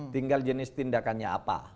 tinggal jenis tindakannya apa